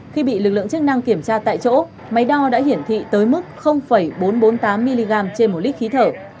khi bị lực lượng chức năng kiểm tra tại chỗ máy đo đã hiển thị tới mức bốn trăm bốn mươi tám mg trên một lít khí thở